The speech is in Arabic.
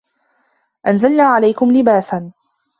أَنْزَلْنَا عَلَيْكُمْ لِبَاسًا